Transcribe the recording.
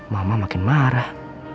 mama makin marah